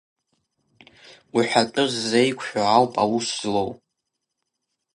Уҳәатәы ззеиқәшәо ауп аус злоу…